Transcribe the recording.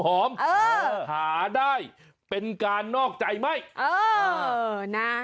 หาได้เป็นการนอกใจไหมเออนะ